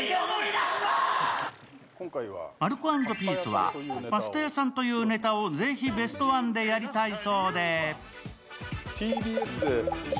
アルコ＆ピースはパスタ屋さんというネタをぜひベストワンでやりたいそうで。